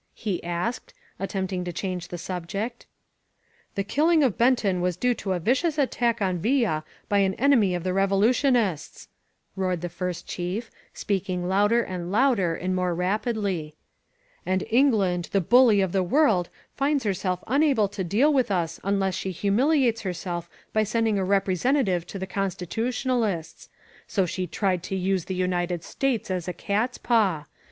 he asked, attempting to change the subject. *'The killing of Benton was due to a vicious attack on Villa by an enemy of the Revolutionists," roared 875 INSURGENT MEXICO the First Chief, speaking louder and louder and more rapidly; "and England, the bully of the world, finds herself unable to deal with us unless she humiliates herself by sending a representative to the Constitu tionalists; so she tried to use the United States as a cat's paw.